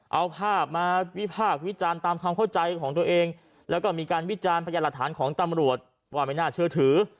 เอาภาพมาวิพากษ์วิจารณ์ตามความเข้าใจของตัวเองแล้วก็มีการวิจารณ์พยานหลักฐานของตำรวจว่าไม่น่าเชื่อถือ